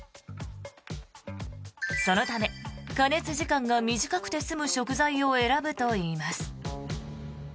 そのため加熱時間が短くて済む食材を選ぶといいます。